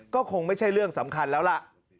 ก็คงไม่ใช่เรื่องสำคัญแล้วล่ะ